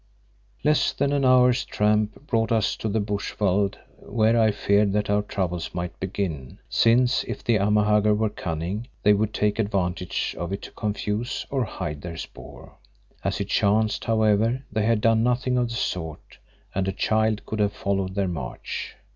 Less than an hour's tramp brought us to the bush veld where I feared that our troubles might begin, since if the Amahagger were cunning, they would take advantage of it to confuse or hide their spoor. As it chanced, however, they had done nothing of the sort and a child could have followed their march.